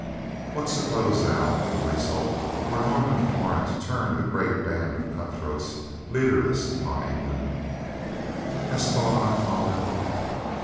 "What suppose thou would result were Norman of Torn to turn his great band of cut throats, leaderless, upon England? Hast thought on't, Father?